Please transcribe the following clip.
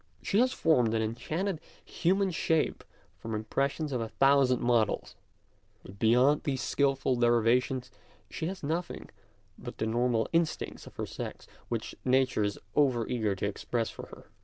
She has formed an enchanted human shape from impressions of a thousand models, but beyond these skilful derivations she has nothing but the normal instincts of her sex, which Nature is over eager to express for her.